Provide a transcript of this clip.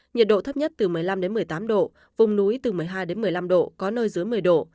nhiệt độ thấp nhất từ một mươi năm một mươi tám độ vùng núi từ một mươi hai một mươi năm độ có nơi dưới một mươi độ